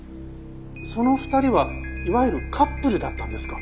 その２人はいわゆるカップルだったんですか？